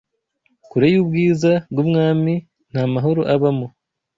kure y’ubwiza bw’Umwami ntamahoro abamo